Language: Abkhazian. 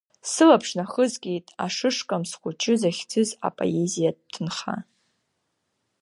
Сылаԥш нахызгеит Ашышкамс хәыҷы захьӡыз апоезиатә ҭынха.